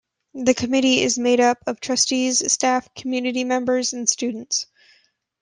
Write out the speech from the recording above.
The committee is made up of trustees, staff, community members and students.